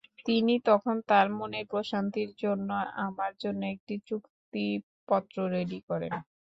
তিনি তখন তাঁর মনের প্রশান্তির জন্য আমার জন্য একটি চুক্তিপত্র রেডি করেন।